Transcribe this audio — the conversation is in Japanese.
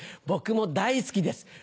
僕も大好きです。